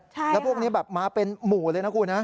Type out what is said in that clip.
ใช่ค่ะแล้วพวกนี้มาเป็นหมู่เลยนะคุณ